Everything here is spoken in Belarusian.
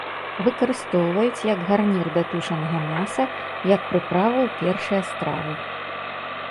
Выкарыстоўваюць як гарнір да тушанага мяса, як прыправу ў першыя стравы.